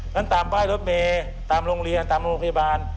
ตามป้ายรถเมย์ตามโรงเรียนตามโรงพยาบาล